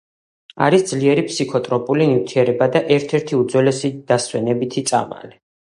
არის ძლიერი ფსიქოტროპული ნივთიერება და ერთ-ერთი უძველესი დასვენებითი წამალი.